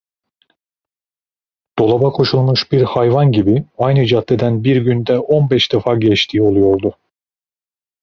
Dolaba koşulmuş bir hayvan gibi aynı caddeden bir günde on beş defa geçtiği oluyordu.